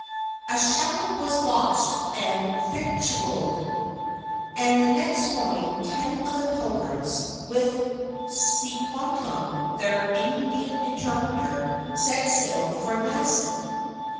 A shallop was launched and victualed; and the next morning ten of the Pilgrims, with Tisquantum, their Indian interpreter, set sail for Nauset.